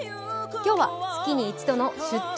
今日は月に一度の「出張！